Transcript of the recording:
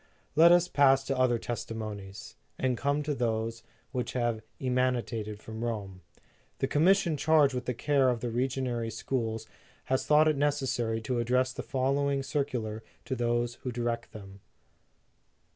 Let us pass to other testimonies, and come to those which have emanated from Rome. The Commission charged with the care of the regionary schools has thought it neces sary to address the following circular to those who direct them.